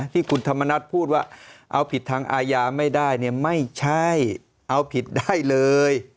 ที่คุณธรรมนัฐพูดว่าเอาผิดทางอาญาไม่ได้เนี่ยไม่ใช่เอาผิดได้เลย